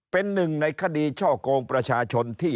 เป็นหนึ่งในคดีช่อกงประชาชนที่